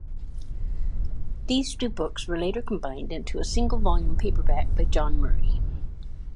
These two books were later combined into a single-volume paperback by John Murray.